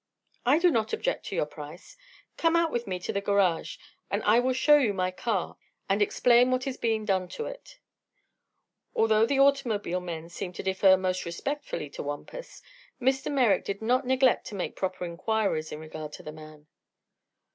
"I do not object to your price. Come out with me to the garage and I will show you my car and explain what is being done to it." Although all the automobile men seemed to defer most respectfully to Wampus, Mr. Merrick did not neglect to make proper inquiries in regard to the man.